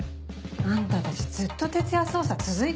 あんたたちずっと徹夜捜査続いてたじゃん。